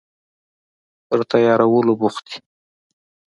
پر تیارولو بوخت دي